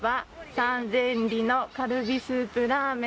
「三千里のカルビスープラーメン